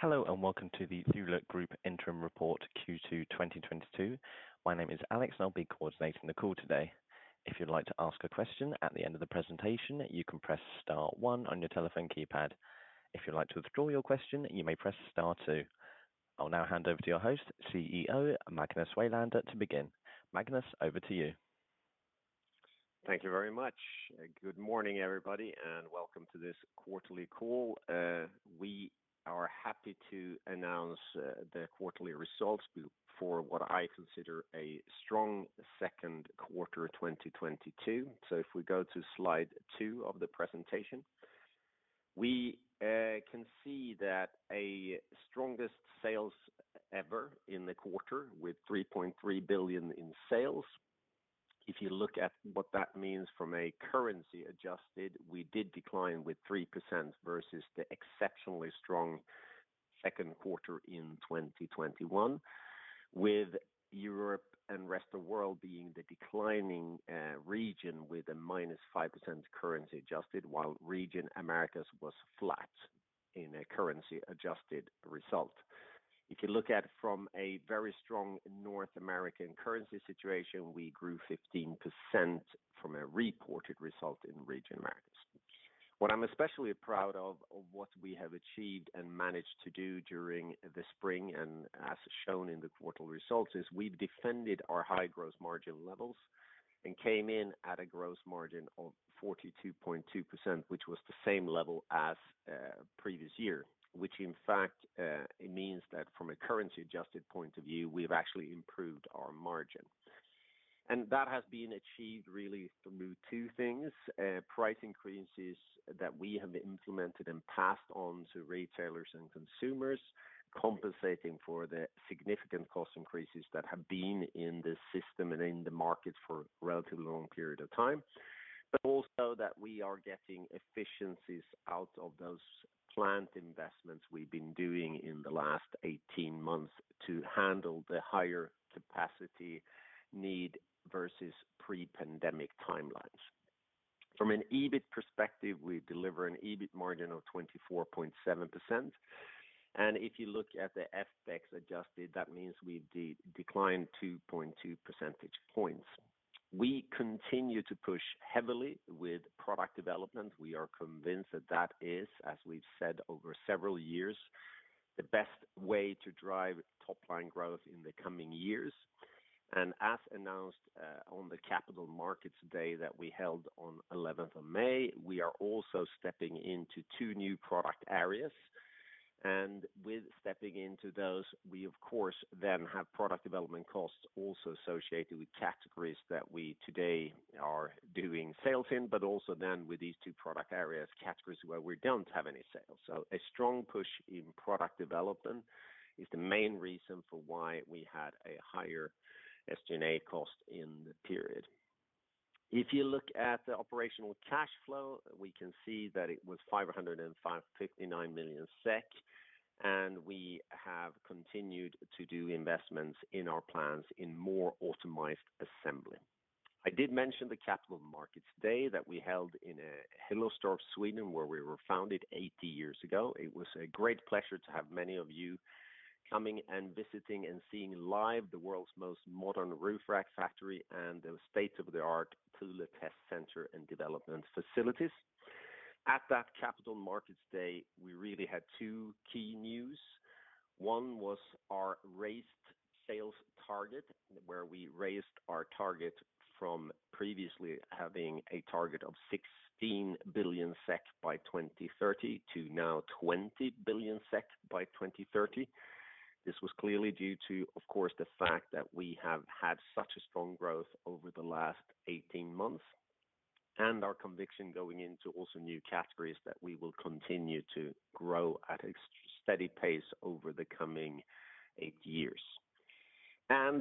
Hello and welcome to the Thule Group interim report Q2 2022. My name is Alex, and I'll be coordinating the call today. If you'd like to ask a question at the end of the presentation, you can press star one on your telephone keypad. If you'd like to withdraw your question, you may press star two. I'll now hand over to your host, CEO, Magnus Welander, to begin. Magnus, over to you. Thank you very much. Good morning, everybody, and welcome to this quarterly call. We are happy to announce the quarterly results for what I consider a strong second quarter 2022. If we go to slide two of the presentation, we can see that the strongest sales ever in the quarter with 3.3 billion in sales. If you look at what that means from a currency adjusted, we did decline with 3% versus the exceptionally strong second quarter in 2021, with Europe and rest of world being the declining region with a -5% currency adjusted, while region Americas was flat in a currency adjusted result. If you look at from a very strong North American currency situation, we grew 15% from a reported result in region Americas. What I'm especially proud of what we have achieved and managed to do during the spring and as shown in the quarterly results, is we've defended our high gross margin levels and came in at a gross margin of 42.2%, which was the same level as, previous year, which in fact, it means that from a currency adjusted point of view, we've actually improved our margin. That has been achieved really through two things, price increases that we have implemented and passed on to retailers and consumers, compensating for the significant cost increases that have been in the system and in the market for a relatively long period of time, but also that we are getting efficiencies out of those plant investments we've been doing in the last 18 months to handle the higher capacity need versus pre-pandemic timelines. From an EBIT perspective, we deliver an EBIT margin of 24.7%. If you look at the FX adjusted, that means we declined 2.2 percentage points. We continue to push heavily with product development. We are convinced that is, as we've said over several years, the best way to drive top line growth in the coming years. As announced on the Capital Markets Day that we held on 11th of May, we are also stepping into two new product areas. With stepping into those, we of course then have product development costs also associated with categories that we today are doing sales in, but also then with these two product areas, categories where we don't have any sales. A strong push in product development is the main reason for why we had a higher SG&A cost in the period. If you look at the operational cash flow, we can see that it was 559 million SEK, and we have continued to do investments in our plants in more automated assembly. I did mention the Capital Markets Day that we held in Hillerstorp, Sweden, where we were founded 80 years ago. It was a great pleasure to have many of you coming and visiting and seeing live the world's most modern roof rack factory and the state-of-the-art Thule Test Center and development facilities. At that Capital Markets Day, we really had two key news. One was our raised sales target, where we raised our target from previously having a target of 16 billion SEK by 2030 to now 20 billion SEK by 2030. This was clearly due to, of course, the fact that we have had such a strong growth over the last 18 months and our conviction going into also new categories that we will continue to grow at a steady pace over the coming 8 years.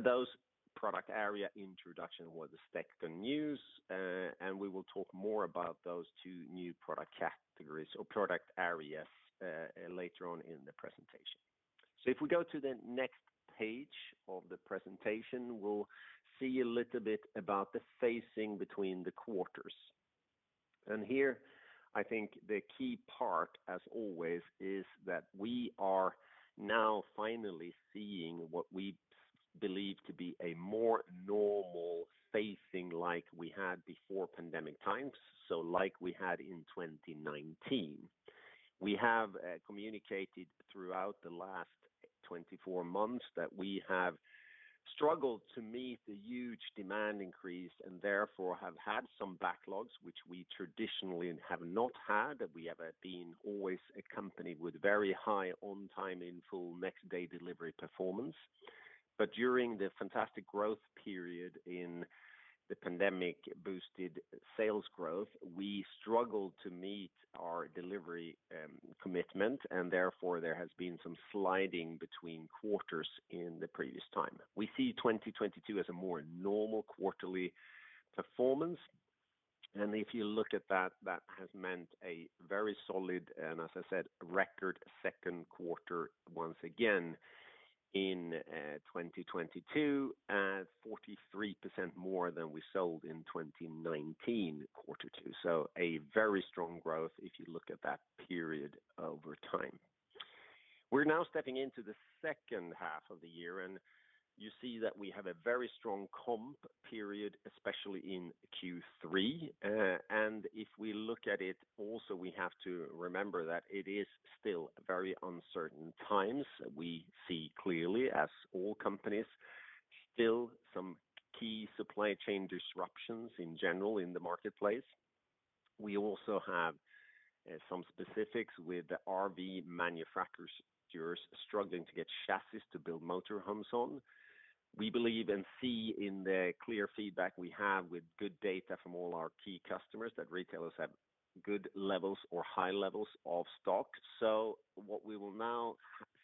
Those product area introduction was the second news, and we will talk more about those two new product categories or product areas later on in the presentation. If we go to the next page of the presentation, we'll see a little bit about the phasing between the quarters. Here I think the key part, as always, is that we are now finally seeing what we believe to be a more normal phasing like we had before pandemic times. Like we had in 2019. We have communicated throughout the last 24 months that we have struggled to meet the huge demand increase and therefore have had some backlogs which we traditionally have not had. We have been always a company with very high on time, in full, next day delivery performance. But during the fantastic growth period in the pandemic boosted sales growth, we struggled to meet our delivery commitment and therefore there has been some sliding between quarters in the previous time. We see 2022 as a more normal quarterly performance. If you look at that has meant a very solid and, as I said, record second quarter once again. In 2022, 43% more than we sold in 2019 quarter two. A very strong growth if you look at that period over time. We're now stepping into the second half of the year, and you see that we have a very strong comp period, especially in Q3. If we look at it, also we have to remember that it is still very uncertain times. We see clearly, as all companies still face some key supply chain disruptions in general in the marketplace. We also have some specifics with the RV manufacturers struggling to get chassis to build motor homes on. We believe and see, in the clear feedback we have with good data from all our key customers, that retailers have good levels or high levels of stock. What we will now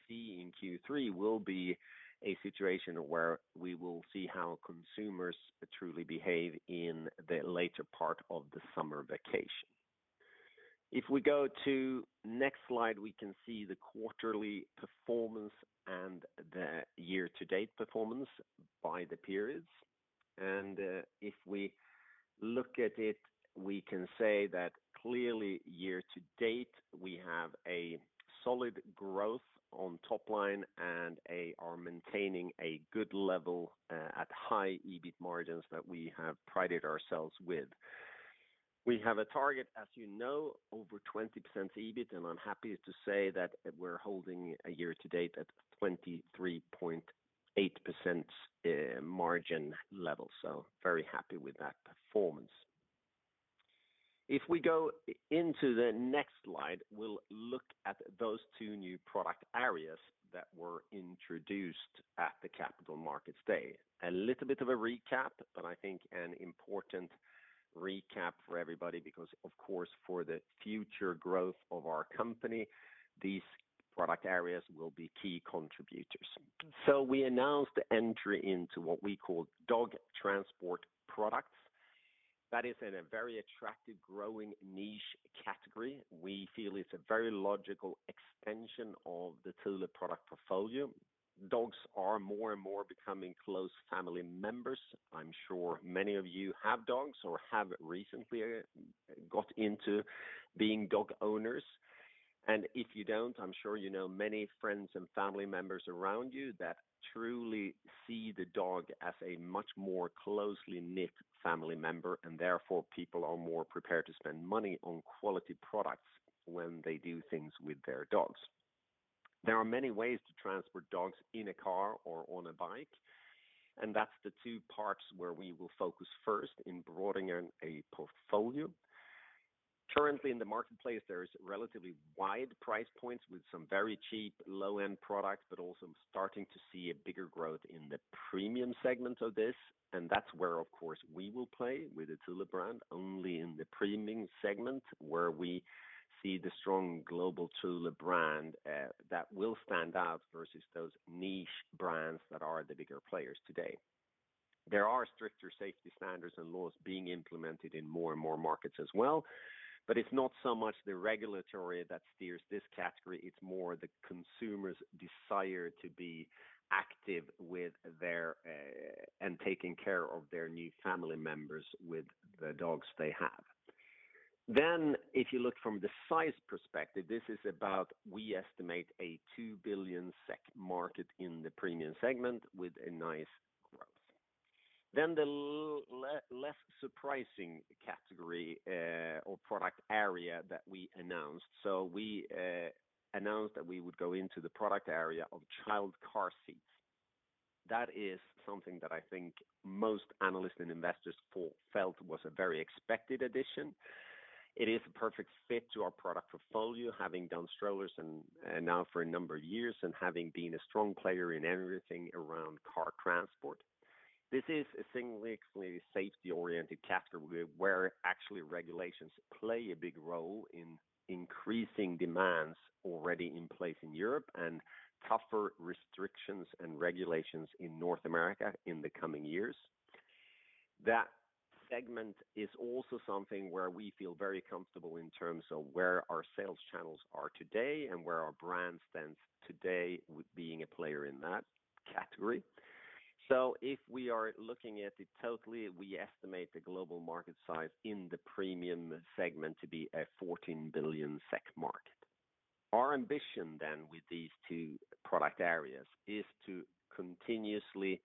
see in Q3 will be a situation where we will see how consumers truly behave in the later part of the summer vacation. If we go to next slide, we can see the quarterly performance and the year-to-date performance by the periods. If we look at it, we can say that clearly year-to-date, we have a solid growth on top line and are maintaining a good level at high EBIT margins that we have prided ourselves with. We have a target, as you know, over 20% EBIT, and I'm happy to say that we're holding a year-to-date at 23.8% margin level. Very happy with that performance. If we go into the next slide, we'll look at those two new product areas that were introduced at the Capital Markets Day. A little bit of a recap, but I think an important recap for everybody because of course, for the future growth of our company, these product areas will be key contributors. We announced entry into what we call dog transport products. That is in a very attractive growing niche category. We feel it's a very logical extension of the Thule product portfolio. Dogs are more and more becoming close family members. I'm sure many of you have dogs or have recently got into being dog owners. If you don't, I'm sure you know many friends and family members around you that truly see the dog as a much more closely knit family member, and therefore people are more prepared to spend money on quality products when they do things with their dogs. There are many ways to transport dogs in a car or on a bike, and that's the two parts where we will focus first in broadening a portfolio. Currently in the marketplace, there is relatively wide price points with some very cheap low-end products, but also starting to see a bigger growth in the premium segment of this, and that's where of course we will play with the Thule brand only in the premium segment, where we see the strong global Thule brand, that will stand out versus those niche brands that are the bigger players today. There are stricter safety standards and laws being implemented in more and more markets as well. It's not so much the regulatory that steers this category, it's more the consumer's desire to be active with their, and taking care of their new family members with the dogs they have. If you look from the size perspective, this is about, we estimate, a 2 billion SEK market in the premium segment with a nice growth. The less surprising category, or product area that we announced. We announced that we would go into the product area of child car seats. That is something that I think most analysts and investors felt was a very expected addition. It is a perfect fit to our product portfolio, having done strollers and now for a number of years and having been a strong player in everything around car transport. This is a singularly safety-oriented category where actually regulations play a big role in increasing demands already in place in Europe and tougher restrictions and regulations in North America in the coming years. That segment is also something where we feel very comfortable in terms of where our sales channels are today and where our brand stands today with being a player in that category. If we are looking at it totally, we estimate the global market size in the premium segment to be 14 billion SEK market. Our ambition then with these two product areas is to continuously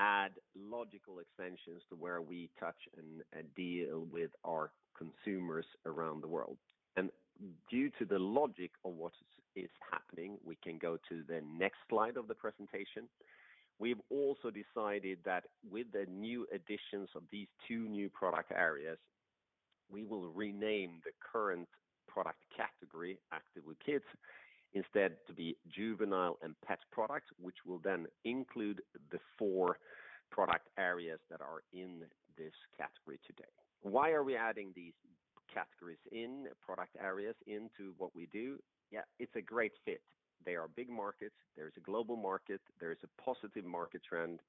add logical extensions to where we touch and deal with our consumers around the world. Due to the logic of what is happening, we can go to the next slide of the presentation. We've also decided that with the new additions of these two new product areas, we will rename the current product category Active with Kids instead to be Juvenile & Pet Products, which will then include the four product areas that are in this category today. Why are we adding these categories in, product areas into what we do? Yeah, it's a great fit. They are big markets. There's a global market. There is a positive market trend.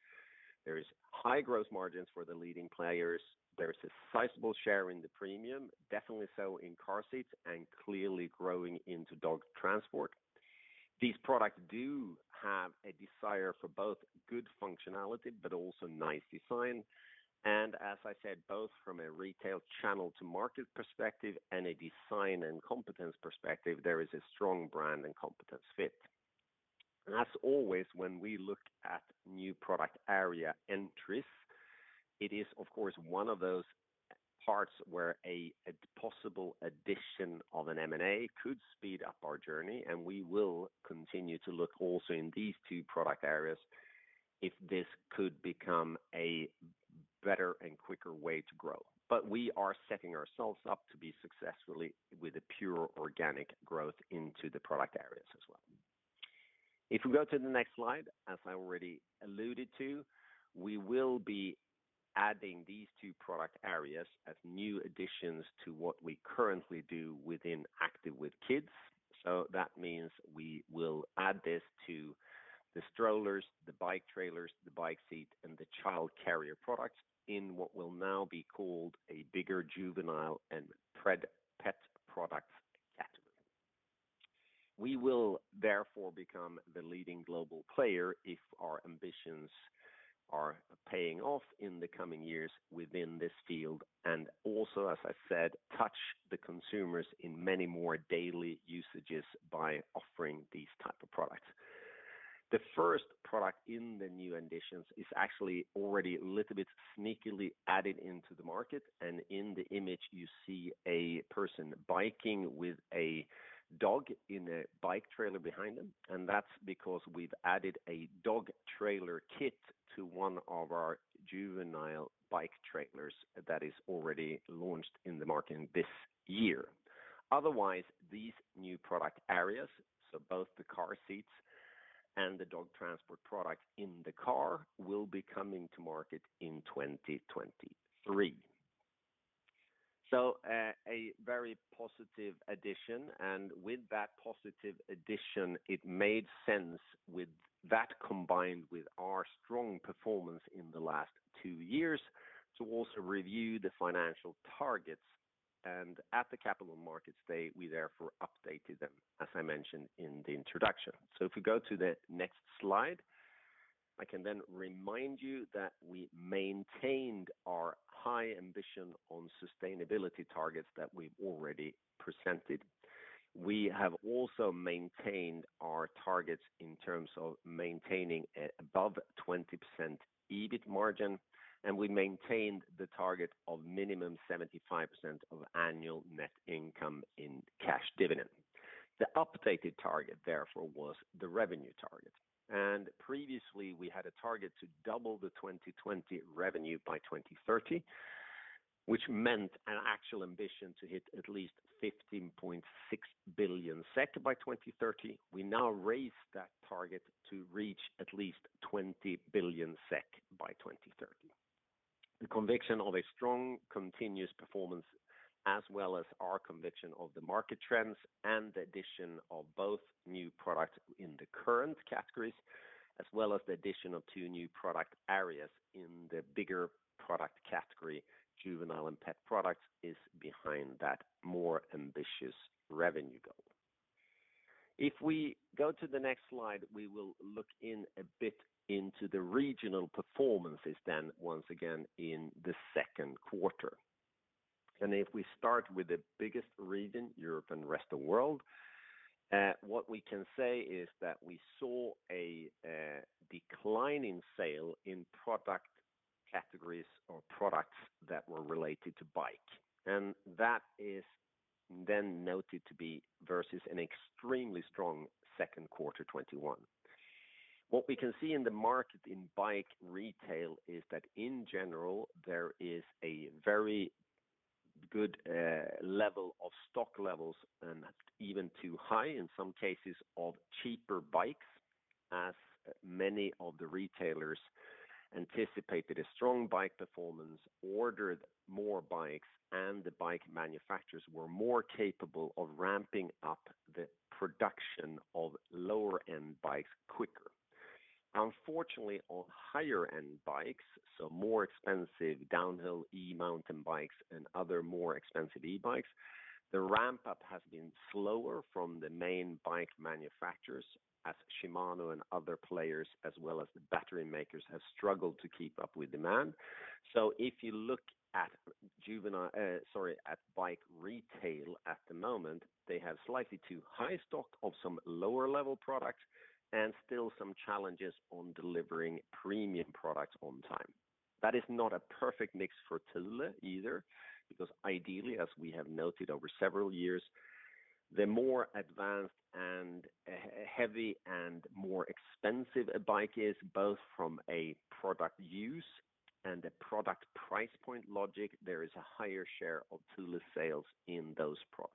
There is high gross margins for the leading players. There is a sizable share in the premium, definitely so in car seats and clearly growing into dog transport. These products do have a desire for both good functionality but also nice design. As I said, both from a retail channel to market perspective and a design and competence perspective, there is a strong brand and competence fit. As always, when we look at new product area entries, it is of course, one of those parts where a possible addition of an M&A could speed up our journey, and we will continue to look also in these two product areas if this could become a better and quicker way to grow. We are setting ourselves up to be successful with a pure organic growth into the product areas as well. If we go to the next slide, as I already alluded to, we will be adding these two product areas as new additions to what we currently do within Active with Kids. That means we will add this to the strollers, the bike trailers, the bike seat, and the child carrier products in what will now be called a bigger Juvenile & Pet Products category. We will therefore become the leading global player if our ambitions are paying off in the coming years within this field, and also, as I said, touch the consumers in many more daily usages by offering these type of products. The first product in the new additions is actually already a little bit sneakily added into the market, and in the image you see a person biking with a dog in a bike trailer behind them. That's because we've added a dog trailer kit to one of our juvenile bike trailers that is already launched in the market this year. Otherwise, these new product areas, so both the car seats and the dog transport products in the car, will be coming to market in 2023. A very positive addition. With that positive addition, it made sense with that combined with our strong performance in the last 2 years to also review the financial targets. At the Capital Markets Day, we therefore updated them, as I mentioned in the introduction. If we go to the next slide, I can then remind you that we maintained our high ambition on sustainability targets that we've already presented. We have also maintained our targets in terms of maintaining above 20% EBIT margin, and we maintained the target of minimum 75% of annual net income in cash dividend. The updated target, therefore, was the revenue target. Previously we had a target to double the 2020 revenue by 2030, which meant an actual ambition to hit at least 15.6 billion SEK by 2030. We now raise that target to reach at least 20 billion SEK by 2030. The conviction of a strong continuous performance, as well as our conviction of the market trends and the addition of both new products in the current categories, as well as the addition of two new product areas in the bigger product category, Juvenile and Pet Products, is behind that more ambitious revenue goal. If we go to the next slide, we will look in a bit into the regional performances then once again in the second quarter. If we start with the biggest region, Europe and rest of world, what we can say is that we saw a decline in sales in product categories or products that were related to bike. That is then noted to be versus an extremely strong second quarter 2021. What we can see in the market in bike retail is that in general, there is a very good level of stock levels and even too high in some cases of cheaper bikes, as many of the retailers anticipated a strong bike performance, ordered more bikes, and the bike manufacturers were more capable of ramping up the production of lower-end bikes quicker. Unfortunately, on higher-end bikes, so more expensive downhill e-mountain bikes and other more expensive e-bikes, the ramp-up has been slower from the main bike manufacturers as Shimano and other players, as well as the battery makers, have struggled to keep up with demand. If you look at bike retail at the moment, they have slightly too high stock of some lower-level products and still some challenges on delivering premium products on time. That is not a perfect mix for Thule either, because ideally, as we have noted over several years, the more advanced and heavy and more expensive a bike is, both from a product use and a product price point logic, there is a higher share of Thule sales in those products.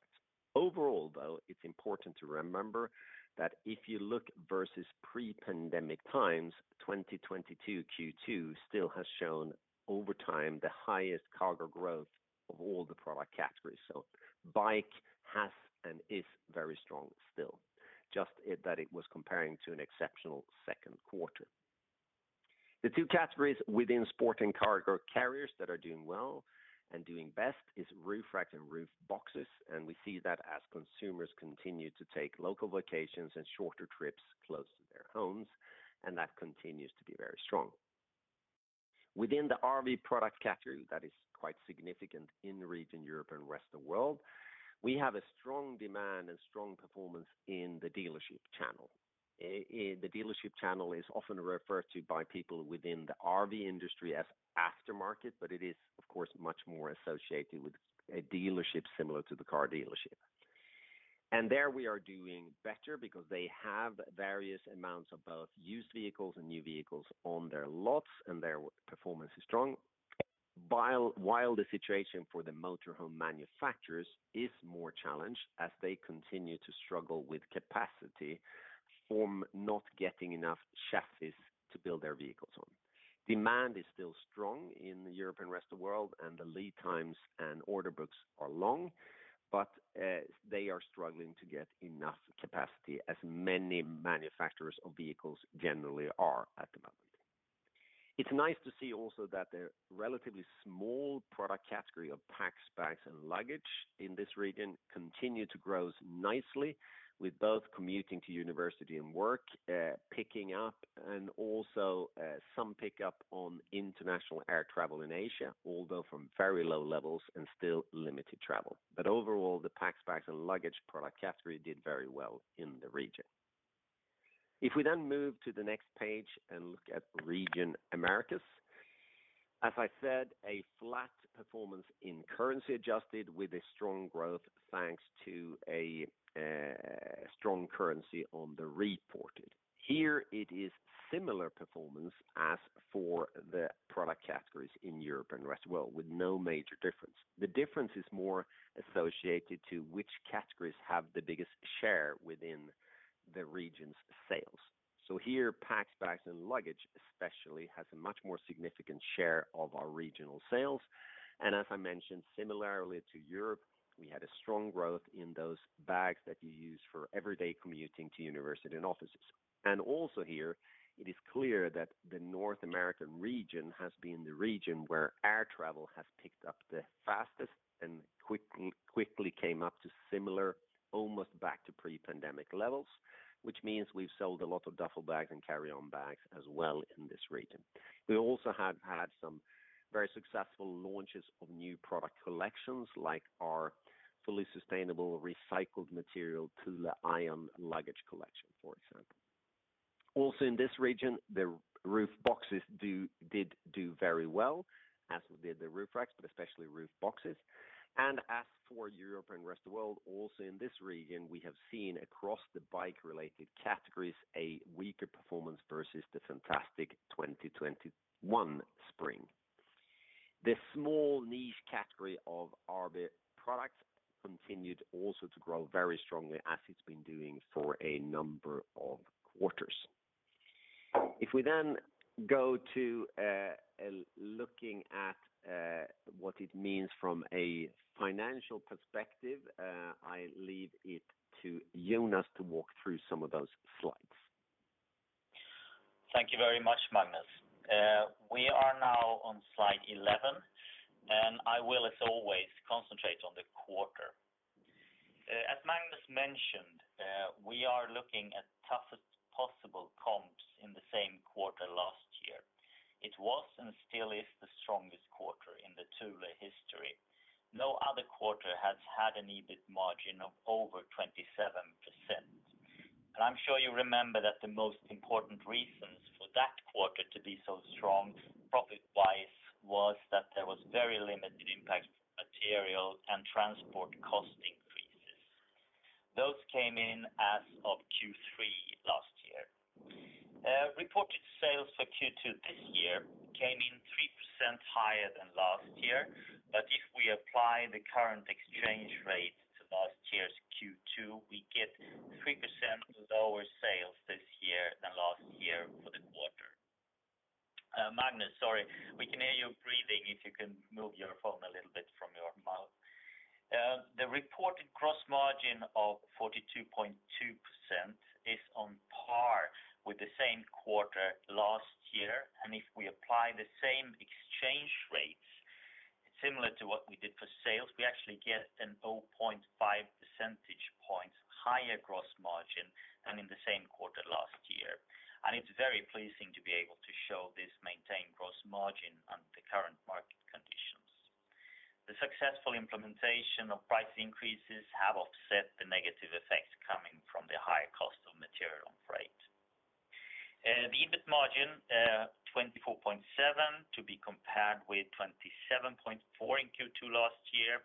Overall, though, it's important to remember that if you look versus pre-pandemic times, 2022 Q2 still has shown over time the highest cargo growth of all the product categories. Bike has and is very strong still. Just that it was comparing to an exceptional second quarter. The two categories within Sport & Cargo Carriers that are doing well and doing best is roof rack and roof boxes, and we see that as consumers continue to take local vacations and shorter trips close to their homes, and that continues to be very strong. Within the RV product category, that is quite significant in the region Europe and rest of world, we have a strong demand and strong performance in the dealership channel. The dealership channel is often referred to by people within the RV industry as aftermarket, but it is of course, much more associated with a dealership similar to the car dealership. There we are doing better because they have various amounts of both used vehicles and new vehicles on their lots and their performance is strong. While the situation for the motor home manufacturers is more challenged as they continue to struggle with capacity from not getting enough chassis to build their vehicles on. Demand is still strong in Europe and the rest of world, and the lead times and order books are long, but they are struggling to get enough capacity as many manufacturers of vehicles generally are at the moment. It's nice to see also that the relatively small product category of packs, bags and luggage in this region continues to grow nicely with both commuting to university and work picking up and also some pickup on international air travel in Asia, although from very low levels and still limited travel. Overall, the packs, bags and luggage product category did very well in the region. If we then move to the next page and look at region Americas, as I said, a flat performance in currency adjusted with a strong growth thanks to a strong currency on the reported. Here it is similar performance as for the product categories in Europe and rest of world with no major difference. The difference is more associated to which categories have the biggest share within the region's sales. Here, packs, bags and luggage especially has a much more significant share of our regional sales. As I mentioned, similarly to Europe, we had a strong growth in those bags that you use for everyday commuting to university and offices. Also here it is clear that the North American region has been the region where air travel has picked up the fastest and quickly came up to similar, almost back to pre-pandemic levels, which means we've sold a lot of duffel bags and carry-on bags as well in this region. We also have had some very successful launches of new product collections like our fully sustainable recycled material Thule Aion luggage collection, for example. Also in this region, the roof boxes did do very well, as did the roof racks, but especially roof boxes. As for Europe and rest of world, also in this region, we have seen across the bike related categories a weaker performance versus the fantastic 2021 spring. The small niche category of RV products continued also to grow very strongly as it's been doing for a number of quarters. If we go to looking at what it means from a financial perspective, I leave it to Jonas to walk through some of those slides. Thank you very much, Magnus. We are now on slide 11, and I will as always, concentrate on the quarter. As Magnus mentioned, we are looking at toughest possible comps in the same quarter last year. It was and still is the strongest quarter in the Thule history. No other quarter has had an EBIT margin of over 27%. I'm sure you remember that the most important reasons for that quarter to be so strong profit-wise was that there was very limited impact material and transport cost increases. Those came in as of Q3 last year. Reported sales for Q2 this year came in 3% higher than last year. If we apply the current exchange rate to last year's Q2, we get 3% lower sales this year than last year for the quarter. Magnus, sorry. We can hear you breathing if you can move your phone a little bit from your mouth. The reported gross margin of 42.2% is on par with the same quarter last year. If we apply the same exchange rates similar to what we did for sales, we actually get a 0.5 percentage points higher gross margin than in the same quarter last year. It's very pleasing to be able to show this maintained gross margin under the current market conditions. The successful implementation of price increases have offset the negative effects coming from the higher cost of material and freight. The EBIT margin 24.7% to be compared with 27.4% in Q2 last year.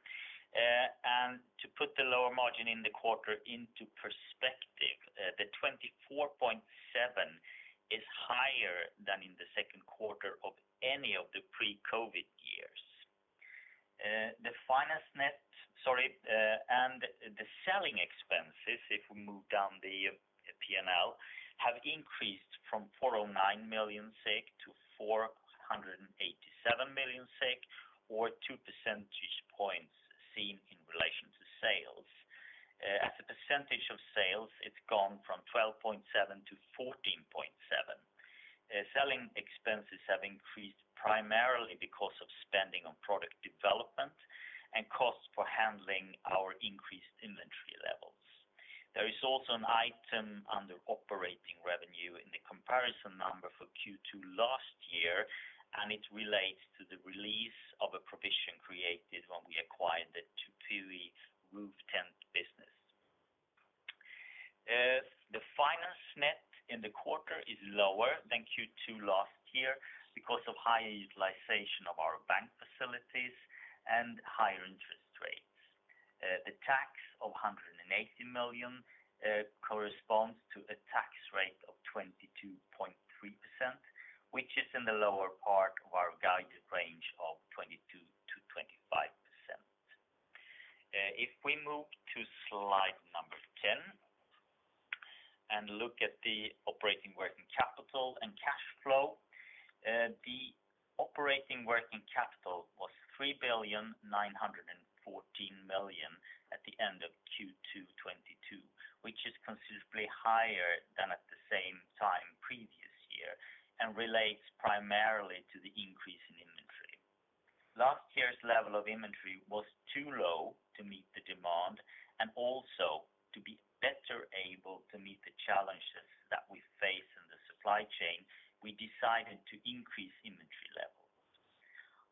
To put the lower margin in the quarter into perspective, the 24.7% is higher than in the second quarter of any of the pre-COVID years. The selling expenses, if we move down the P&L, have increased from 409 million to 487 million, or two percentage points seen in relation to sales. As a percentage of sales, it's gone from 12.7% to 14.7%. Selling expenses have increased primarily because of spending on product development and costs for handling our increased inventory levels. There is also an item under operating revenue in the comparison number for Q2 last year, and it relates to the release of a provision created when we acquired the Tepui Roof Tent business. The financial net in the quarter is lower than Q2 last year because of higher utilization of our bank facilities and higher interest rates. The tax of 180 million corresponds to a tax rate of 22.3%, which is in the lower part of our guided range of 22%-25%. If we move to slide 10 and look at the operating working capital and cash flow. The operating working capital was 3,914 million at the end of Q2 2022, which is considerably higher than at the same time previous year and relates primarily to the increase in inventory. Last year's level of inventory was too low to meet the demand, and also to be better able to meet the challenges that we face in the supply chain, we decided to increase inventory levels.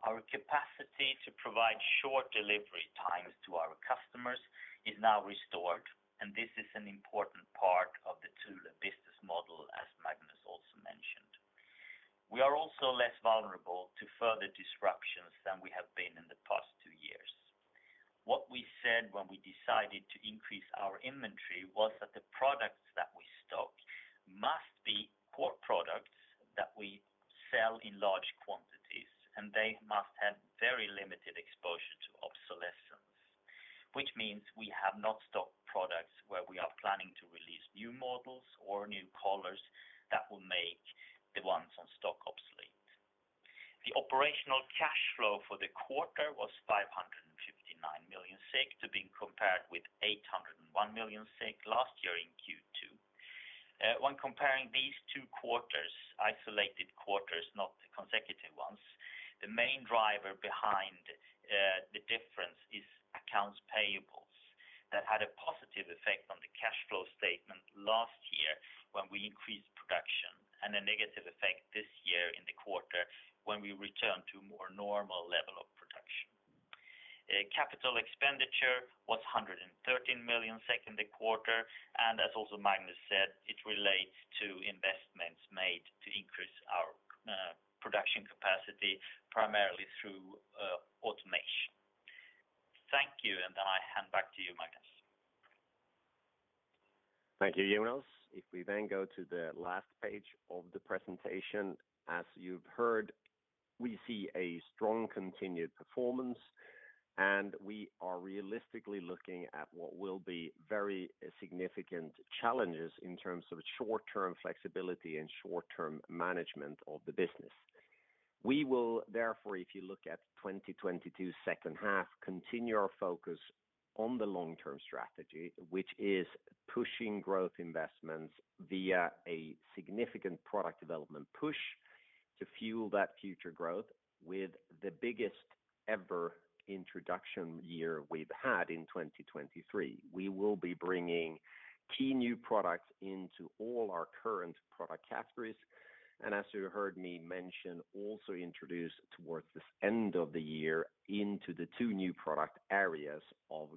Our capacity to provide short delivery times to our customers is now restored, and this is an important part of the Thule business model, as Magnus also mentioned. We are also less vulnerable to further disruptions than we have been in the past two years. What we said when we decided to increase our inventory was that the products that we stock must be core products that we sell in large quantities, and they must have very limited exposure to obsolescence, which means we have not stocked products where we are planning to release new models or new colors that will make the ones on stock obsolete. The operational cash flow for the quarter was 559 million to be compared with 801 million last year in Q2. When comparing these two quarters, isolated quarters, not the consecutive ones, the main driver behind the difference is accounts payables that had a positive effect on the cash flow statement last year when we increased production and a negative effect this year in the quarter when we return to more normal level of production. Capital expenditure was 113 million in the quarter, and as also Magnus said, it relates to investments made to increase our production capacity, primarily through automation. Thank you. I hand back to you, Magnus. Thank you, Jonas. If we then go to the last page of the presentation. As you've heard, we see a strong continued performance, and we are realistically looking at what will be very significant challenges in terms of short-term flexibility and short-term management of the business. We will therefore, if you look at 2022 second half, continue our focus on the long-term strategy, which is pushing growth investments via a significant product development push to fuel that future growth with the biggest ever introduction year we've had in 2023. We will be bringing key new products into all our current product categories. As you heard me mention, also introduced towards this end of the year into the two new product areas of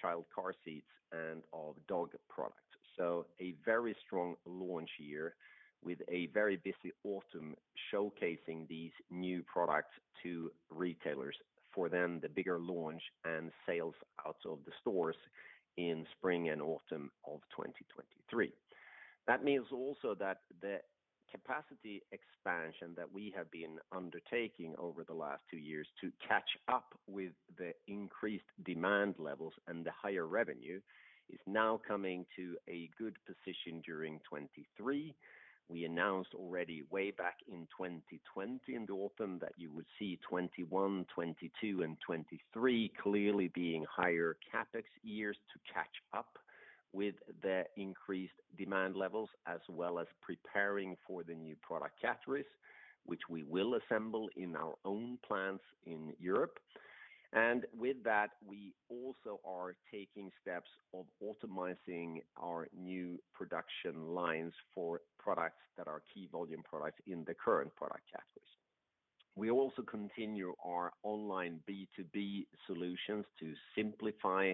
child car seats and of dog products. A very strong launch year with a very busy autumn showcasing these new products to retailers. For them, the bigger launch and sales out of the stores in spring and autumn of 2023. That means also that the capacity expansion that we have been undertaking over the last 2 years to catch up with the increased demand levels and the higher revenue is now coming to a good position during 2023. We announced already way back in 2020 in the autumn that you would see 2021, 2022 and 2023 clearly being higher CapEx years to catch up with the increased demand levels as well as preparing for the new product categories, which we will assemble in our own plants in Europe. With that, we also are taking steps of optimizing our new production lines for products that are key volume products in the current product categories. We also continue our online B2B solutions to simplify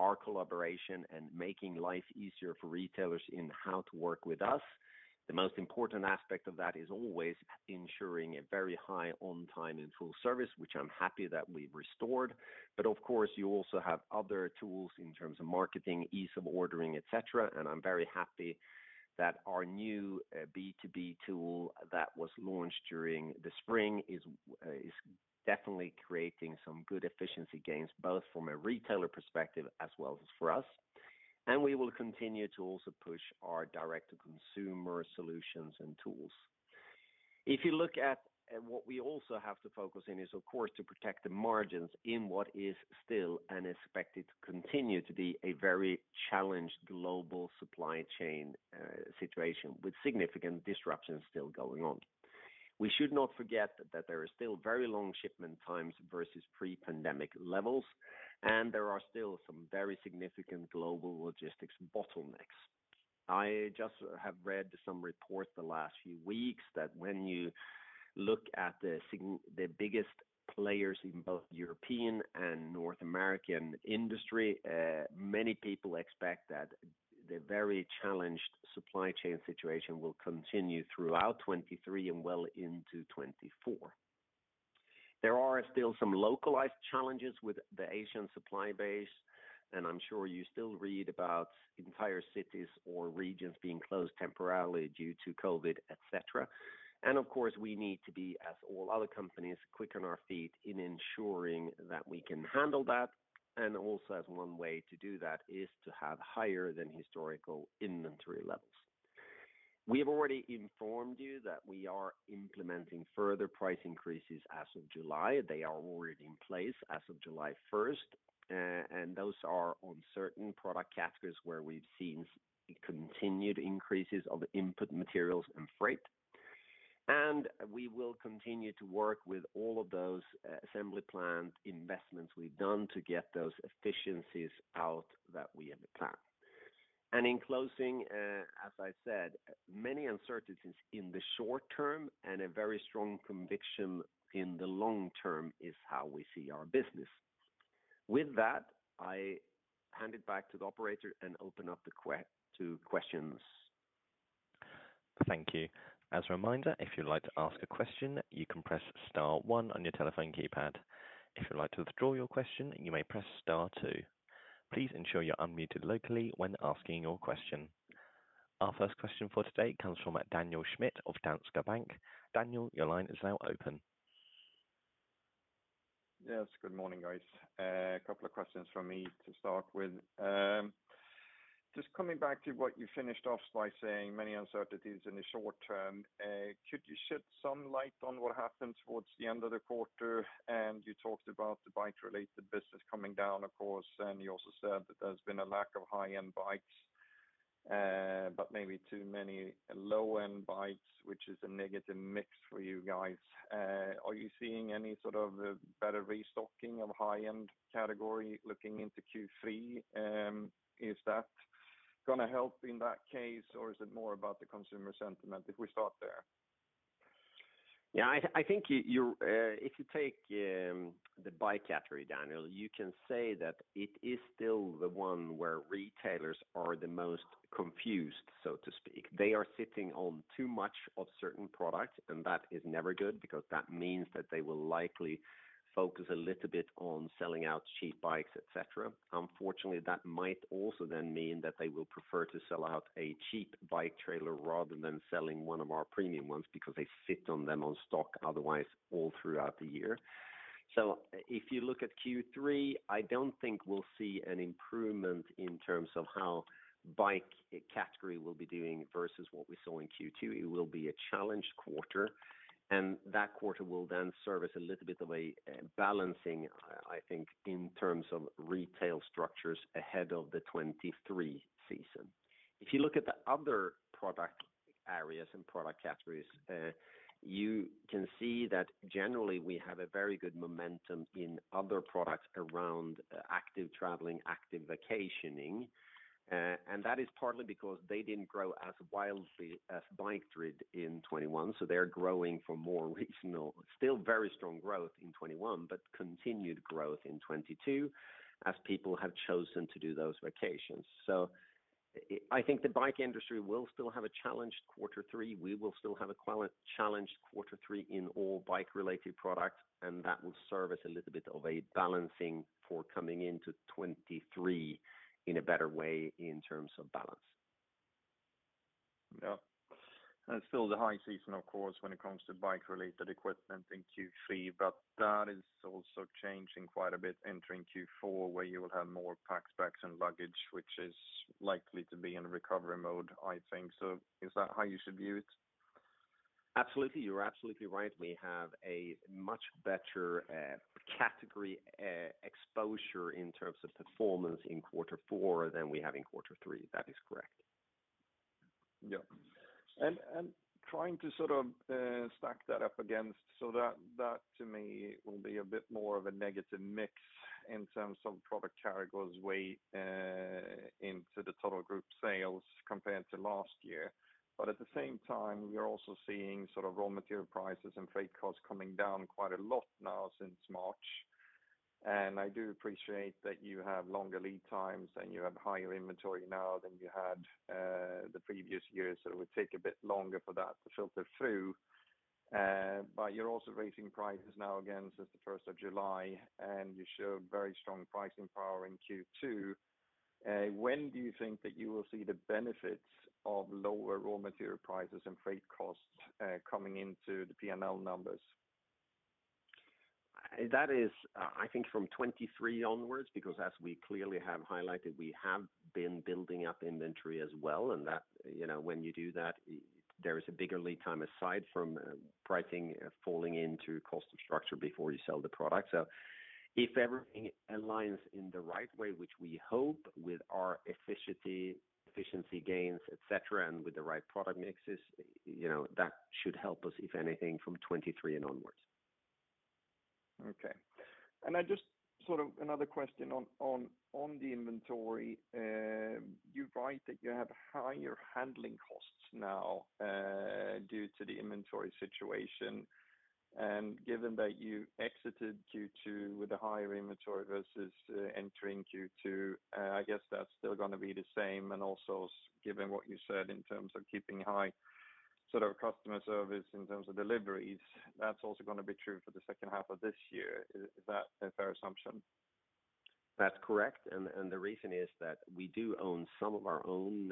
our collaboration and making life easier for retailers in how to work with us. The most important aspect of that is always ensuring a very high on-time and full service, which I'm happy that we've restored. Of course, you also have other tools in terms of marketing, ease of ordering, etc.. I'm very happy that our new B2B tool that was launched during the spring is definitely creating some good efficiency gains, both from a retailer perspective as well as for us. We will continue to also push our direct-to-consumer solutions and tools. If you look at what we also have to focus on is of course to protect the margins in what is still and expected to continue to be a very challenged global supply chain situation with significant disruptions still going on. We should not forget that there are still very long shipment times versus pre-pandemic levels, and there are still some very significant global logistics bottlenecks. I just have read some reports the last few weeks that when you look at the biggest players in both European and North American industry, many people expect that the very challenged supply chain situation will continue throughout 2023 and well into 2024. There are still some localized challenges with the Asian supply base, and I'm sure you still read about entire cities or regions being closed temporarily due to COVID, etc. Of course, we need to be, as all other companies, quick on our feet in ensuring that we can handle that, and also as one way to do that is to have higher than historical inventory levels. We have already informed you that we are implementing further price increases as of July. They are already in place as of July first, and those are on certain product categories where we've seen continued increases of input materials and freight. We will continue to work with all of those assembly plant investments we've done to get those efficiencies out that we have planned. In closing, as I said, many uncertainties in the short term and a very strong conviction in the long term is how we see our business. With that, I hand it back to the Operator and open up to questions. Thank you. As a reminder, if you'd like to ask a question, you can press star one on your telephone keypad. If you'd like to withdraw your question, you may press star two. Please ensure you're unmuted locally when asking your question. Our first question for today comes from Daniel Schmidt of Danske Bank. Daniel, your line is now open. Yes. Good morning, guys. A couple of questions from me to start with. Just coming back to what you finished off by saying many uncertainties in the short term, could you shed some light on what happened towards the end of the quarter? You talked about the bike-related business coming down, of course, and you also said that there's been a lack of high-end bikes, but maybe too many low-end bikes, which is a negative mix for you guys. Are you seeing any sort of better restocking of high-end category looking into Q3? Is that gonna help in that case, or is it more about the consumer sentiment if we start there? Yeah, if you take the bike category, Daniel, you can say that it is still the one where retailers are the most confused, so to speak. They are sitting on too much of certain products, and that is never good because that means that they will likely focus a little bit on selling out cheap bikes, etc.. Unfortunately, that might also then mean that they will prefer to sell out a cheap bike trailer rather than selling one of our premium ones because they sit on them in stock otherwise all throughout the year. If you look at Q3, I don't think we'll see an improvement in terms of how bike category will be doing versus what we saw in Q2. It will be a challenged quarter, and that quarter will then serve as a little bit of a balancing, I think, in terms of retail structures ahead of the 2023 season. If you look at the other product areas and product categories, you can see that generally we have a very good momentum in other products around active traveling, active vacationing. That is partly because they didn't grow as wildly as bike did in 2021, so they're growing from a more regular base. Still very strong growth in 2021, but continued growth in 2022 as people have chosen to do those vacations. I think the bike industry will still have a challenged quarter three. We will still have a challenged quarter three in all bike related products, and that will serve as a little bit of a balancing for coming into 2023 in a better way in terms of balance. Yeah. It's still the high season, of course, when it comes to bike related equipment in Q3, but that is also changing quite a bit entering Q4, where you will have more pack specs and luggage, which is likely to be in recovery mode, I think. Is that how you should view it? Absolutely. You're absolutely right. We have a much better category exposure in terms of performance in quarter four than we have in quarter three. That is correct. Yeah. Trying to sort of stack that up against so that to me will be a bit more of a negative mix in terms of product categories weight into the total group sales compared to last year. At the same time, we are also seeing sort of raw material prices and freight costs coming down quite a lot now since March. I do appreciate that you have longer lead times and you have higher inventory now than you had the previous years, so it would take a bit longer for that to filter through. But you're also raising prices now again since the first of July, and you showed very strong pricing power in Q2. When do you think that you will see the benefits of lower raw material prices and freight costs coming into the P&L numbers? That is, I think from 2023 onwards, because as we clearly have highlighted, we have been building up inventory as well, and that, you know, when you do that, there is a bigger lead time aside from pricing falling into cost structure before you sell the product. If everything aligns in the right way, which we hope with our efficiency gains, etc., and with the right product mixes, you know, that should help us, if anything, from 2023 onwards. Okay. I just sort of another question on the inventory. You write that you have higher handling costs now due to the inventory situation, and given that you exited Q2 with the higher inventory versus entering Q2, I guess that's still gonna be the same and also given what you said in terms of keeping high sort of customer service in terms of deliveries, that's also gonna be true for the second half of this year. Is that a fair assumption? That's correct. The reason is that we do own some of our own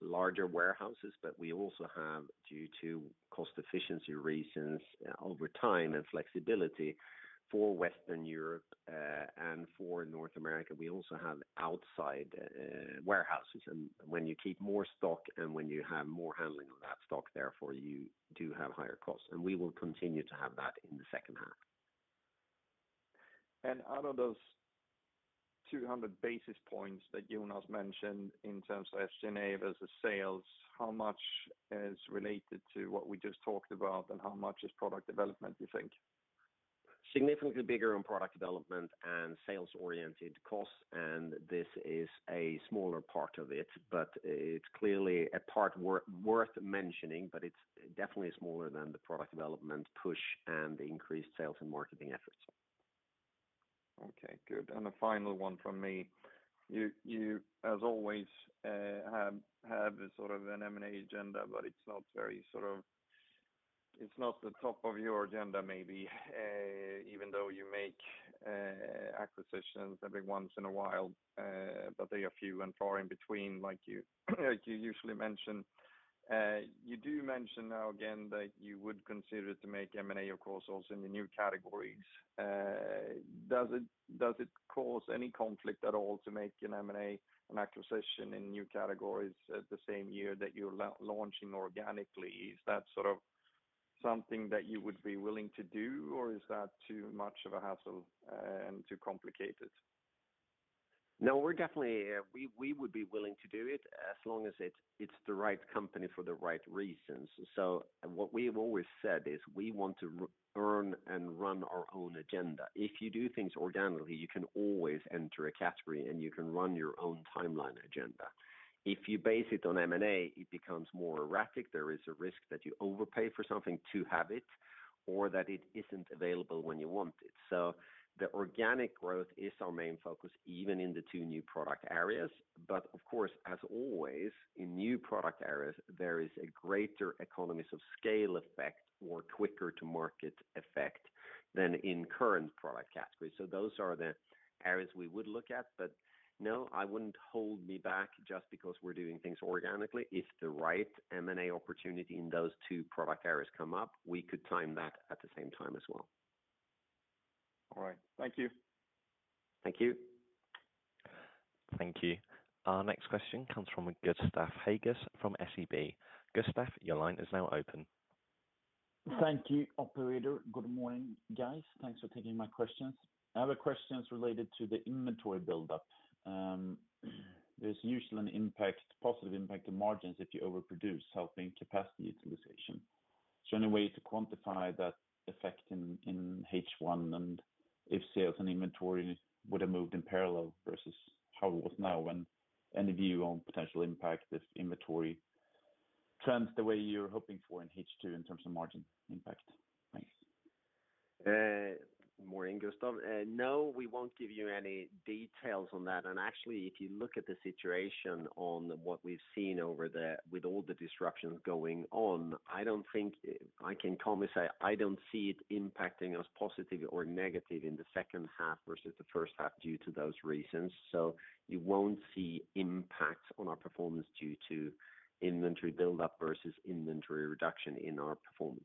larger warehouses, but we also have, due to cost efficiency reasons over time and flexibility for Western Europe and for North America, we also have outside warehouses. When you keep more stock and when you have more handling on that stock, therefore you do have higher costs. We will continue to have that in the second half. Out of those 200 basis points that Jonas mentioned in terms of SG&A versus sales, how much is related to what we just talked about and how much is product development, you think? Significantly bigger on product development and sales-oriented costs, and this is a smaller part of it, but it's clearly a part worth mentioning, but it's definitely smaller than the product development push and the increased sales and marketing efforts. Okay, good. A final one from me. You as always have a sort of an M&A agenda, but it's not very sort of. It's not the top of your agenda maybe, even though you make acquisitions every once in a while, but they are few and far in between, like you usually mention. You do mention now and again that you would consider to make M&A, of course, also in the new categories. Does it cause any conflict at all to make an M&A, an acquisition in new categories at the same year that you're launching organically? Is that sort of something that you would be willing to do, or is that too much of a hassle and too complicated? No, we're definitely, we would be willing to do it as long as it's the right company for the right reasons. What we have always said is we want to run our own agenda. If you do things organically, you can always enter a category and you can run your own timeline agenda. If you base it on M&A, it becomes more erratic. There is a risk that you overpay for something to have it or that it isn't available when you want it. The organic growth is our main focus, even in the two new product areas. Of course, as always in new product areas, there is a greater economies of scale effect or quicker to market effect than in current product categories. Those are the areas we would look at. No, I wouldn't hold me back just because we're doing things organically. If the right M&A opportunity in those two product areas come up, we could time that at the same time as well. All right. Thank you. Thank you. Thank you. Our next question comes from Gustav Hagéus from SEB. Gustav, your line is now open. Thank you, Operator. Good morning, guys. Thanks for taking my questions. I have a questions related to the inventory buildup. There's usually an impact, positive impact to margins if you overproduce, helping capacity utilization. Is there any way to quantify that effect in H1 and if sales and inventory would have moved in parallel versus how it was now? Any view on potential impact if inventory turns the way you're hoping for in H2 in terms of margin impact? Thanks. Morning, Gustav. No, we won't give you any details on that. Actually, if you look at the situation on what we've seen with all the disruptions going on, I don't think I can calmly say I don't see it impacting us positive or negative in the second half versus the first half due to those reasons. You won't see impact on our performance due to inventory buildup versus inventory reduction in our performance.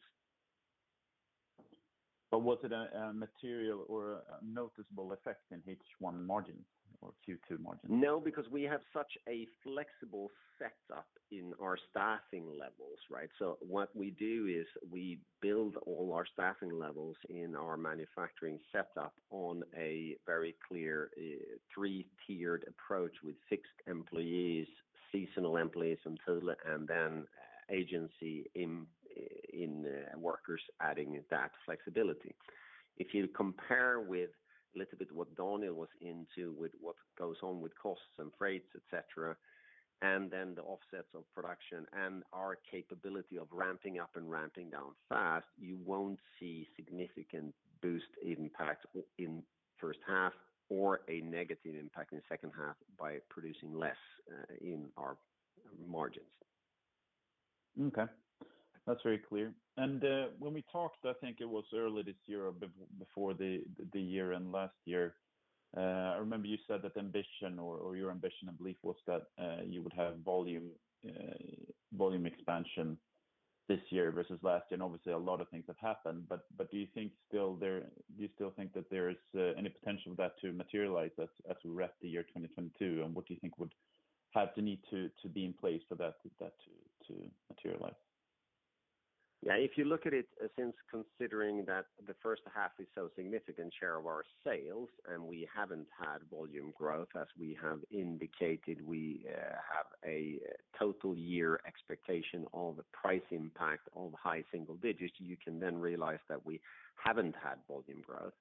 Was it a material or a noticeable effect in H1 margin or Q2 margin? No, because we have such a flexible setup in our staffing levels, right? What we do is we build all our staffing levels in our manufacturing setup on a very clear, three-tiered approach with fixed employees, seasonal employees in total, and then agency interim workers adding that flexibility. If you compare with a little bit what Daniel went into with what goes on with costs and freights, etc., and then the offsets of production and our capability of ramping up and ramping down fast, you won't see significant cost impact in first half or a negative impact in the second half by producing less, in our margins. Okay. That's very clear. When we talked, I think it was early this year or before the year and last year, I remember you said that your ambition and belief was that you would have volume expansion this year versus last year, and obviously a lot of things have happened. But do you still think that there is any potential for that to materialize as we wrap the year 2022? What do you think would have to need to be in place for that to materialize? Yeah. If you look at it since considering that the first half is so significant share of our sales, and we haven't had volume growth, as we have indicated, we have a total year expectation of a price impact of high single digits%, you can then realize that we haven't had volume growth.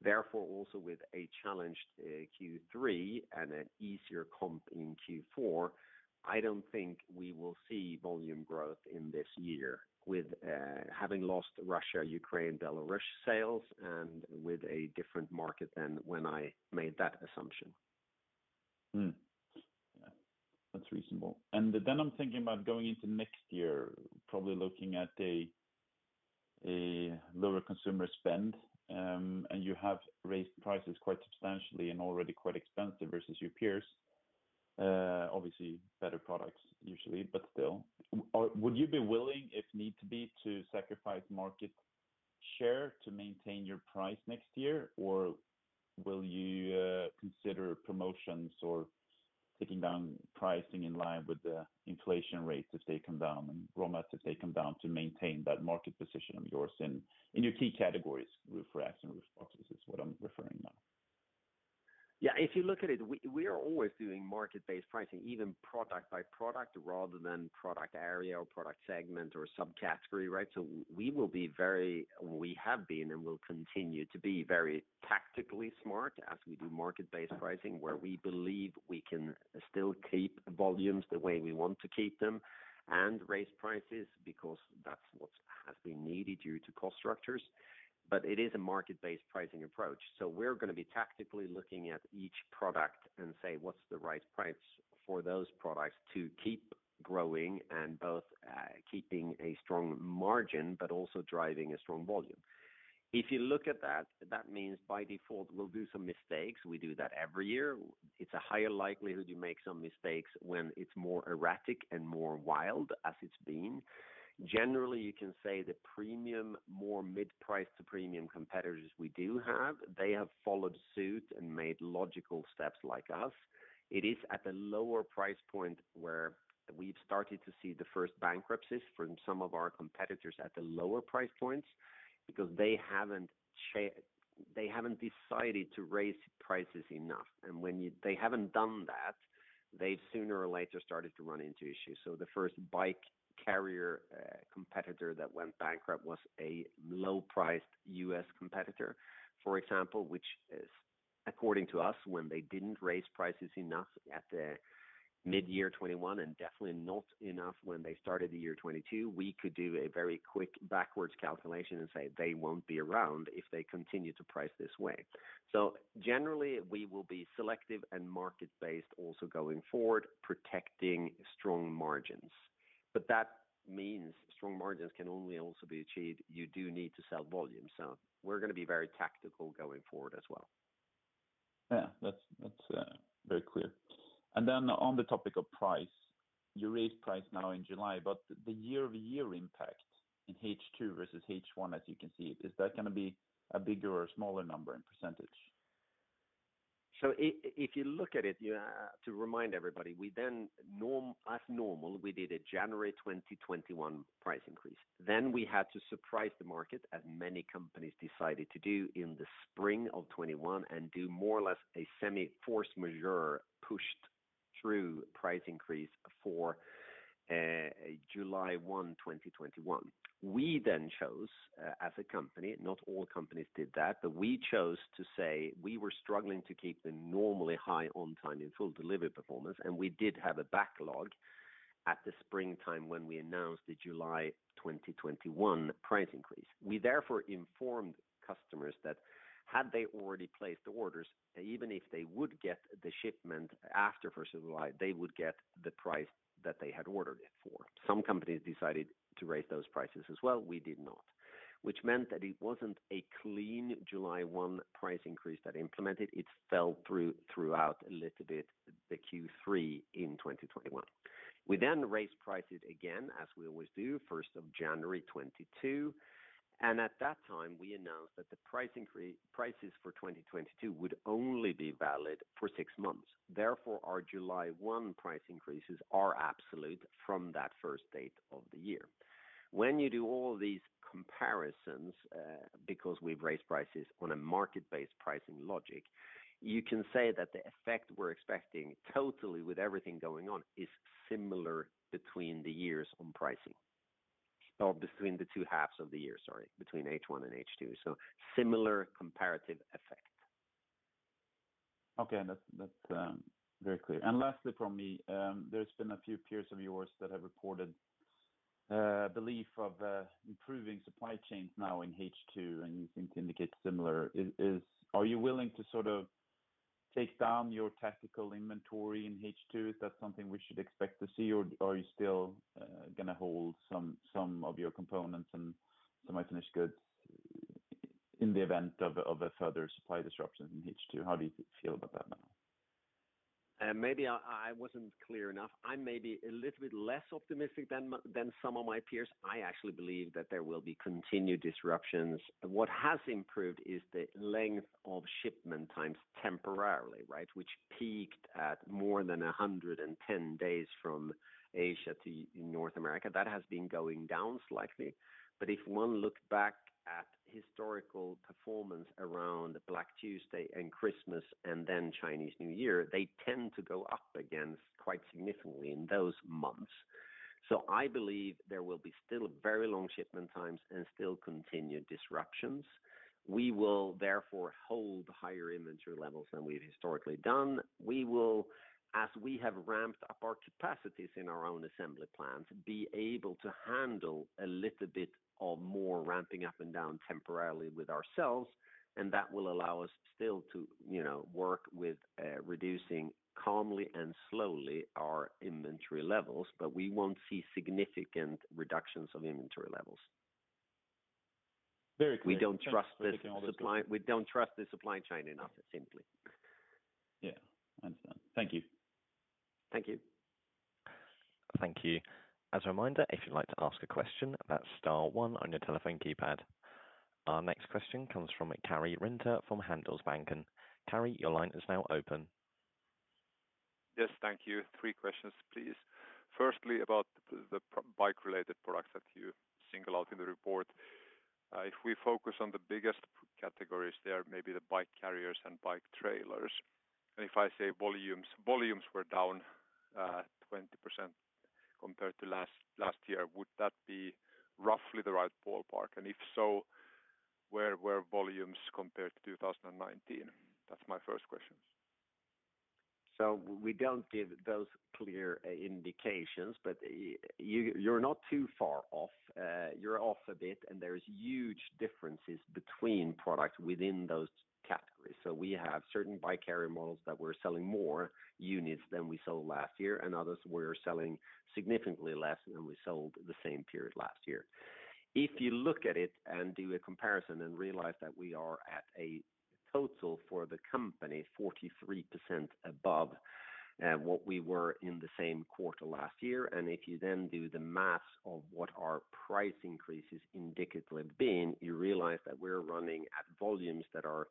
Therefore, also with a challenged Q3 and an easier comp in Q4, I don't think we will see volume growth in this year with having lost Russia, Ukraine, Belarus sales and with a different market than when I made that assumption. Yeah. That's reasonable. I'm thinking about going into next year, probably looking at a lower consumer spend, and you have raised prices quite substantially and already quite expensive versus your peers. Obviously better products usually, but still. Would you be willing, if need to be, to sacrifice market share to maintain your price next year? Will you consider promotions or taking down pricing in line with the inflation rates if they come down and raw mats, if they come down to maintain that market position of yours in your key categories, roof racks and roof boxes is what I'm referring now. Yeah. If you look at it, we are always doing market-based pricing, even product by product rather than product area or product segment or subcategory, right? We will be very. We have been and will continue to be very tactically smart as we do market-based pricing, where we believe we can still keep volumes the way we want to keep them and raise prices because that's what has been needed due to cost structures. It is a market-based pricing approach. We're gonna be tactically looking at each product and say, what's the right price for those products to keep growing and both keeping a strong margin, but also driving a strong volume. If you look at that means by default, we'll do some mistakes. We do that every year. It's a higher likelihood you make some mistakes when it's more erratic and more wild as it's been. Generally, you can say the premium, more mid-priced to premium competitors we do have, they have followed suit and made logical steps like us. It is at the lower price point where we've started to see the first bankruptcies from some of our competitors at the lower price points because they haven't decided to raise prices enough. They haven't done that, they sooner or later started to run into issues. The first bike carrier competitor that went bankrupt was a low-priced U.S. competitor, for example, which is according to us, when they didn't raise prices enough at the mid-year 2021, and definitely not enough when they started the year 2022, we could do a very quick backward calculation and say, "They won't be around if they continue to price this way." Generally, we will be selective and market-based also going forward, protecting strong margins. That means strong margins can only also be achieved. You do need to sell volume. We're gonna be very tactical going forward as well. Yeah. That's very clear. On the topic of price, you raised price now in July, but the year-over-year impact in H2 versus H1, as you can see, is that gonna be a bigger or smaller number and percentage? If you look at it, you have to remind everybody, we then, as normal, we did a January 2021 price increase. We had to surprise the market, as many companies decided to do in the spring of 2021, and do more or less a semi-force majeure pushed through price increase for July 1, 2021. We chose, as a company, not all companies did that, but we chose to say we were struggling to keep the normally high on time and full delivery performance, and we did have a backlog at the spring time when we announced the July 2021 price increase. We therefore informed customers that had they already placed orders, even if they would get the shipment after July 1, they would get the price that they had ordered it for. Some companies decided to raise those prices as well. We did not. Which meant that it wasn't a clean July 1 price increase that implemented. It fell throughout a little bit the Q3 in 2021. We raised prices again, as we always do, on January 1, 2022. At that time, we announced that the prices for 2022 would only be valid for six months. Therefore, our July 1 price increases are absolute from that first date of the year. When you do all these comparisons, because we've raised prices on a market-based pricing logic, you can say that the effect we're expecting totally with everything going on is similar between the years on pricing. Between the two halves of the year, sorry, between H1 and H2. Similar comparative effect. Okay. That's very clear. Lastly from me, there's been a few peers of yours that have reported belief of improving supply chains now in H2, and you think indicates similar. Are you willing to sort of take down your tactical inventory in H2? Is that something we should expect to see, or are you still gonna hold some of your components and semi-finished goods in the event of a further supply disruption in H2? How do you feel about that now? Maybe I wasn't clear enough. I'm maybe a little bit less optimistic than some of my peers. I actually believe that there will be continued disruptions. What has improved is the length of shipment times temporarily, right? Which peaked at more than 110 days from Asia to North America. That has been going down slightly. If one looked back at historical performance around Black Friday and Christmas and then Chinese New Year, they tend to go up again quite significantly in those months. I believe there will be still very long shipment times and still continued disruptions. We will therefore hold higher inventory levels than we've historically done. We will, as we have ramped up our capacities in our own assembly plants, be able to handle a little bit of more ramping up and down temporarily with ourselves, and that will allow us still to, you know, work with, reducing calmly and slowly our inventory levels, but we won't see significant reductions of inventory levels. Very clear. We don't trust the supply. Thanks for making all this clear. We don't trust the supply chain enough, simply. Yeah. Understand. Thank you. Thank you. Thank you. As a reminder, if you'd like to ask a question, that's star one on your telephone keypad. Our next question comes from Karri Rinta from Handelsbanken. Karri, your line is now open. Yes. Thank you. Three questions, please. Firstly, about the bike related products that you single out in the report. If we focus on the biggest categories there, maybe the bike carriers and bike trailers. If I say volumes were down 20% compared to last year, would that be roughly the right ballpark? If so, where were volumes compared to 2019? That's my first question. We don't give those clear indications, but you're not too far off. You're off a bit, and there's huge differences between products within those categories. We have certain bike carrier models that we're selling more units than we sold last year, and others we're selling significantly less than we sold the same period last year. If you look at it and do a comparison and realize that we are at a total for the company 43% above what we were in the same quarter last year, and if you then do the math of what our price increases indicatively have been, you realize that we're running at volumes that are,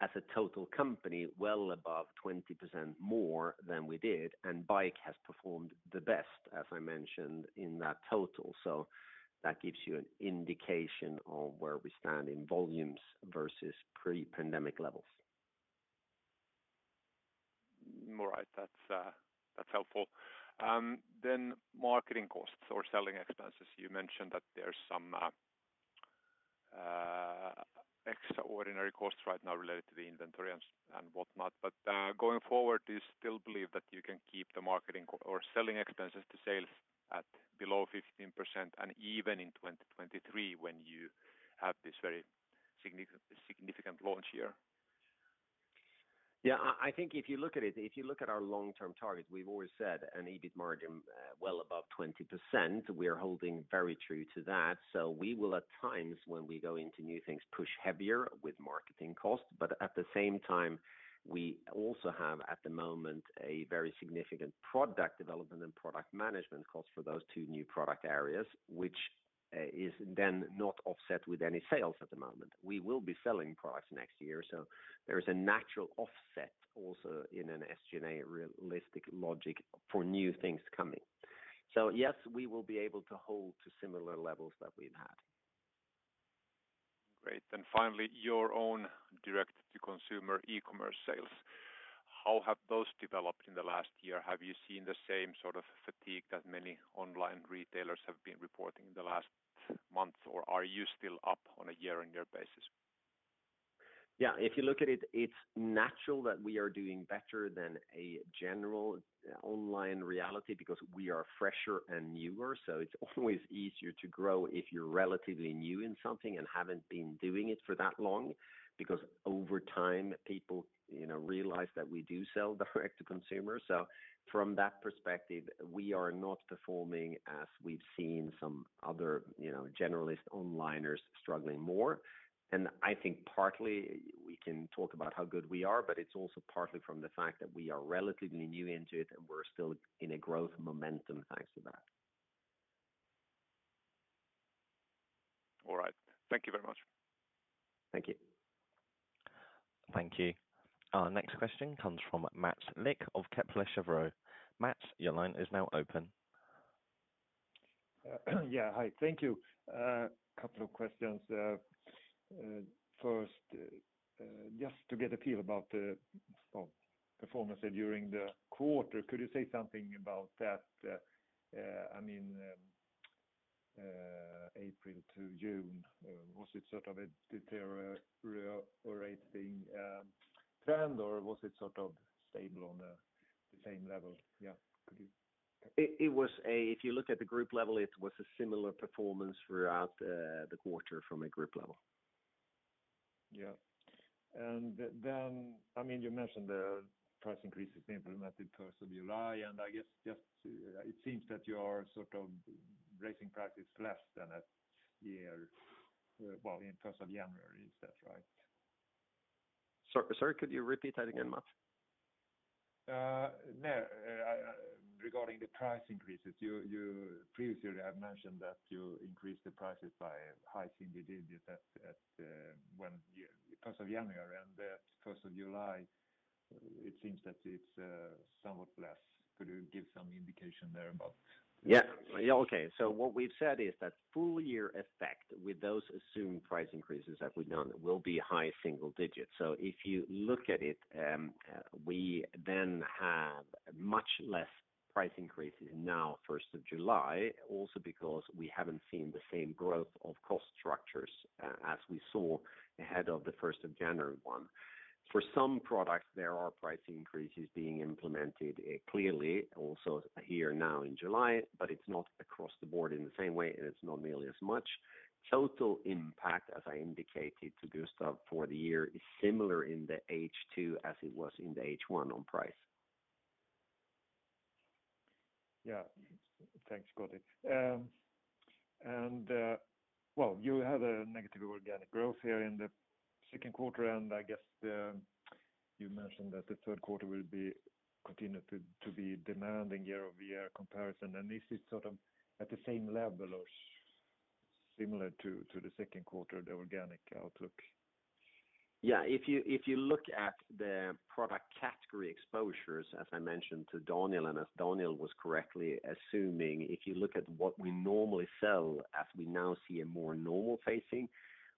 as a total company, well above 20% more than we did, and bike has performed the best, as I mentioned, in that total. That gives you an indication on where we stand in volumes versus pre-pandemic levels. All right. That's helpful. Marketing costs or selling expenses. You mentioned that there's some extraordinary costs right now related to the inventory and whatnot. Going forward, do you still believe that you can keep the marketing or selling expenses to sales at below 15%, and even in 2023 when you have this very significant launch year? Yeah, I think if you look at our long-term targets, we've always said an EBIT margin well above 20%. We are holding very true to that. We will, at times when we go into new things, push heavier with marketing costs. But at the same time, we also have, at the moment, a very significant product development and product management cost for those two new product areas, which is then not offset with any sales at the moment. We will be selling products next year, so there is a natural offset also in an SG&A realistic logic for new things coming. Yes, we will be able to hold to similar levels that we've had. Great. Finally, your own direct to consumer e-commerce sales. How have those developed in the last year? Have you seen the same sort of fatigue that many online retailers have been reporting in the last month, or are you still up on a year-on-year basis? Yeah, if you look at it's natural that we are doing better than a general online reality because we are fresher and newer, so it's always easier to grow if you're relatively new in something and haven't been doing it for that long. Over time, people, you know, realize that we do sell direct to consumer. From that perspective, we are not performing as we've seen some other, you know, generalist onliners struggling more. I think partly we can talk about how good we are, but it's also partly from the fact that we are relatively new into it and we're still in a growth momentum thanks to that. All right. Thank you very much. Thank you. Thank you. Our next question comes from Mats Liss of Kepler Cheuvreux. Mats, your line is now open. Yeah. Hi, thank you. Couple of questions. First, just to get a feel about the, well, performance during the quarter. Could you say something about that? I mean, April to June, was it sort of a deteriorating trend, or was it sort of stable on the same level? Yeah. Could you. If you look at the group level, it was a similar performance throughout the quarter from a group level. Yeah. I mean, you mentioned the price increases implemented first of July, and I guess just it seems that you are sort of raising prices less than last year. Well, in terms of January, is that right? Sorry, could you repeat that again, Mats? Regarding the price increases. You previously have mentioned that you increased the prices by high single digits first of January, and then first of July. It seems that it's somewhat less. Could you give some indication there about? Yeah. Okay. What we've said is that full year effect with those assumed price increases that we've done will be high single digits. If you look at it, we then have much less price increases now, first of July, also because we haven't seen the same growth of cost structures as we saw ahead of the first of January one. For some products, there are price increases being implemented clearly also here now in July, but it's not across the board in the same way, and it's not nearly as much. Total impact, as I indicated to Gustav for the year, is similar in the H2 as it was in the H1 on price. Yeah. Thanks, Got it. You had a negative organic growth here in the second quarter, and I guess you mentioned that the third quarter will continue to be demanding year-over-year comparison. Is it sort of at the same level or similar to the second quarter, the organic outlook? Yeah. If you look at the product category exposures, as I mentioned to Daniel, and as Daniel was correctly assuming, if you look at what we normally sell as we now see a more normal phasing,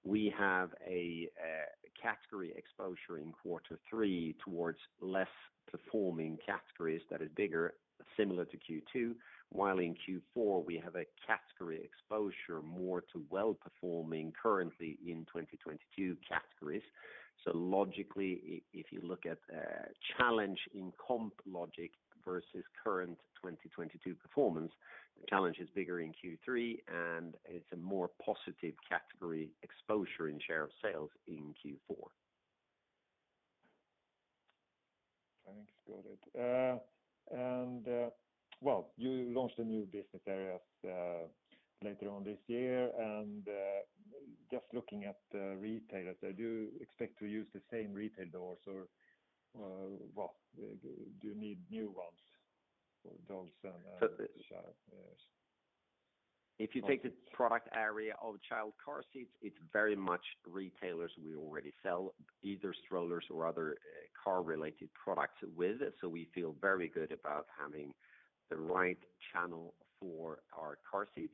we have a category exposure in quarter three towards less performing categories that are bigger, similar to Q2, while in Q4, we have a category exposure more to well-performing currently in 2022 categories. Logically, if you look at the challenge in comp logic versus current 2022 performance, the challenge is bigger in Q3, and it's a more positive category exposure in share of sales in Q4. Thanks, Gotit. You launched a new business areas later on this year, and just looking at the retailers, do you expect to use the same retail doors or do you need new ones for dogs and child? Yes. If you take the product area of child car seats, it's very much retailers we already sell either strollers or other car-related products with. We feel very good about having the right channel for our car seats.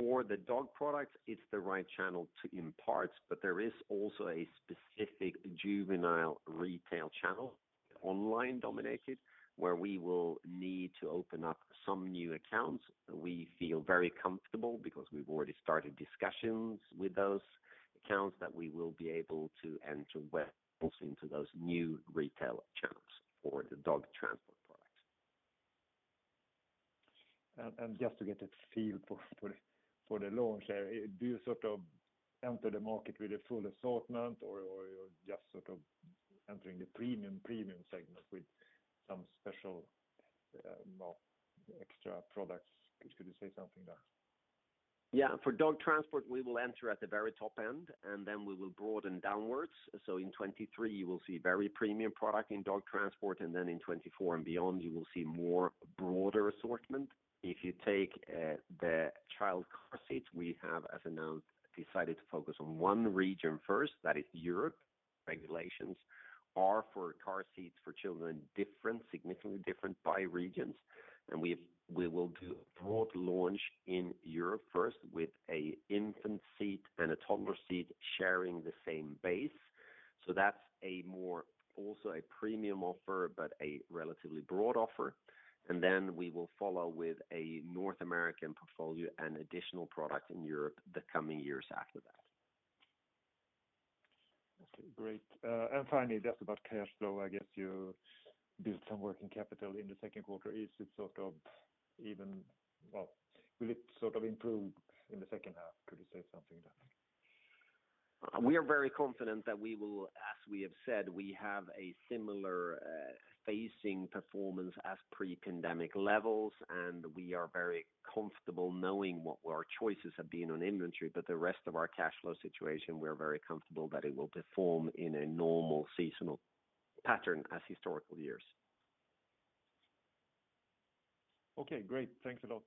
For the dog products, it's the right channel to enter, but there is also a specific juvenile retail channel, online-dominated, where we will need to open up some new accounts. We feel very comfortable because we've already started discussions with those accounts that we will be able to enter well also into those new retail channels for the dog transport products. Just to get a feel for the launch, do you sort of enter the market with a full assortment or you're just sort of entering the premium segment with some special extra products? Could you say something there? Yeah. For dog transport, we will enter at the very top end, and then we will broaden downwards. In 2023, you will see very premium product in dog transport, and then in 2024 and beyond, you will see more broader assortment. If you take the child car seats, we have, as announced, decided to focus on one region first, that is Europe. Regulations are for car seats for children different, significantly different by regions. We will do broad launch in Europe first with an infant seat and a toddler seat sharing the same base. That's a more also a premium offer, but a relatively broad offer. We will follow with a North American portfolio and additional product in Europe the coming years after that. Okay, great. Finally, just about cash flow, I guess you built some working capital in the second quarter. Well, will it sort of improve in the second half? Could you say something there? We are very confident that we will, as we have said, we have a similar facing performance as pre-pandemic levels, and we are very comfortable knowing what our choices have been on inventory. The rest of our cash flow situation, we're very comfortable that it will perform in a normal seasonal pattern as historical years. Okay, great. Thanks a lot.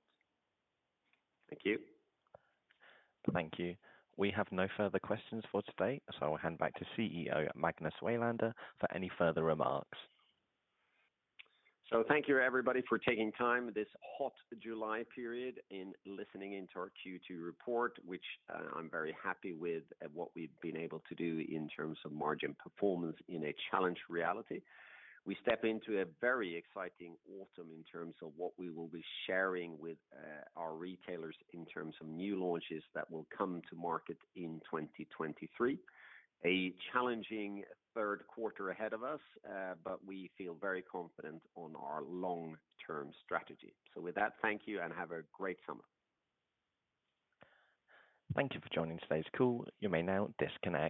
Thank you. Thank you. We have no further questions for today, so I'll hand back to CEO Magnus Welander for any further remarks. Thank you, everybody, for taking time this hot July period in listening into our Q2 report, which, I'm very happy with what we've been able to do in terms of margin performance in a challenged reality. We step into a very exciting autumn in terms of what we will be sharing with, our retailers in terms of new launches that will come to market in 2023. A challenging third quarter ahead of us, but we feel very confident on our long-term strategy. With that, thank you and have a great summer. Thank you for joining today's call. You may now disconnect.